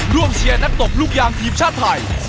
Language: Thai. เชียร์นักตบลูกยางทีมชาติไทย